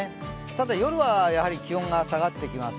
ただ、夜は気温が下がってきます。